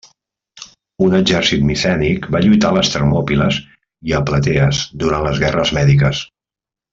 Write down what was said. Un exèrcit micènic va lluitar a les Termòpiles i a Platees durant les Guerres Mèdiques.